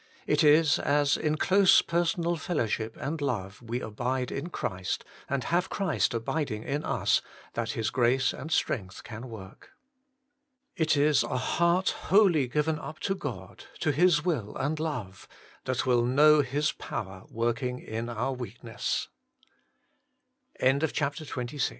It is as, in close personal fellowship and love, we abide in Christ, and have Christ abiding in us, that His grace and strength can work. 3. It is a heart wholly given up to God, to His will and love, that will know His power working in our weakness. XXVII H Doer t